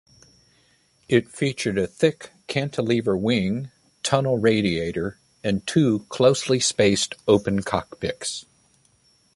It featured a thick cantilever wing, tunnel radiator and two closely spaced open cockpits.